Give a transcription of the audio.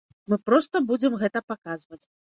Мы проста будзем гэта паказваць.